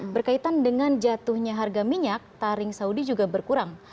berkaitan dengan jatuhnya harga minyak taring saudi juga berkurang